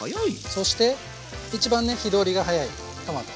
そして一番ね火通りが早いトマト。